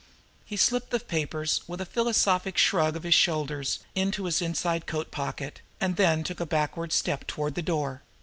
He slipped the papers, with a philosophic shrug of his shoulders, into his inside coat pocket, and took a backward step toward the door.